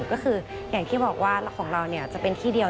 ก็คืออย่างที่บอกว่าของเราจะเป็นที่เดียว